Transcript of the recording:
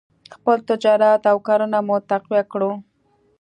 خپل تجارت او کرنه مو تقویه کړو.